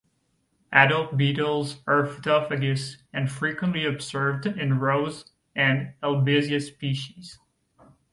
Adult beetles are phytophagous and frequently observed in rose and "Albizia" species.